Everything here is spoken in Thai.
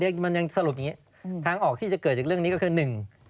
เดี๋ยวมันยังจะสรุปอย่างนี้ทางออกที่จะเกิดจากเรื่องนี้ก็คือ๑